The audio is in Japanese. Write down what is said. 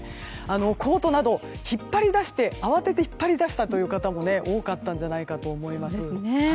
コートなどを慌てて引っ張り出したという方も多かったんじゃないかと思います。